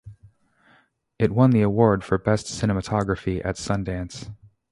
It won the award for Best Cinematography at Sundance.